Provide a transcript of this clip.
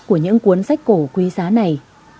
của những cuốn sách cổ quý giá này